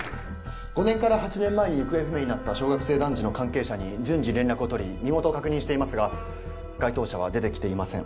５年から８年前に行方不明になった小学生男児の関係者に順次連絡を取り身元を確認していますが該当者は出て来ていません。